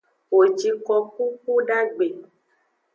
Wo ji koku kudagbe.